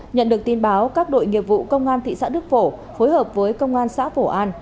nhận được tin báo các đội nghiệp vụ công an thị xã đức phổ phối hợp với công an xã phổ an